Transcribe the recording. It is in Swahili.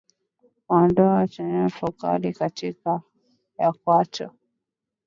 Vidonda vyenye harufu kali katikati ya kwato